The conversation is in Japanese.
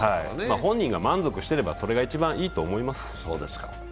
本人が満足していればそれが一番いいと思います。